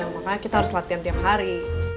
makanya kita harus latihan tiap hari